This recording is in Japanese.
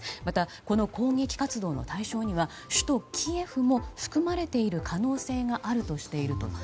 また、この攻撃活動の対象には首都キエフも含まれている可能性があるとしていると。